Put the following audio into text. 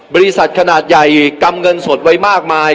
บริษัทขนาดใหญ่กำเงินสดไว้มากมาย